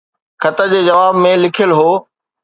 خط جي جواب ۾ لکيل هو.